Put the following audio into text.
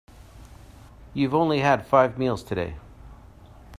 You've only had five meals today.